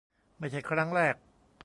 ไม่ใช่ครั้งแรก